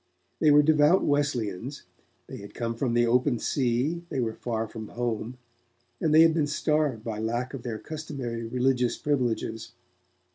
They were devout Wesleyans; they had come from the open sea, they were far from home, and they had been starved by lack of their customary religious privileges.